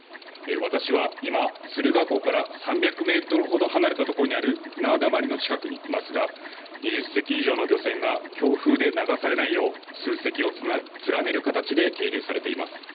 私は今、敦賀港から３００メートルほど離れた所にある船溜まりの近くにいますが、２０隻以上の漁船が、強風で流されないよう、数隻を連ねる形で係留されています。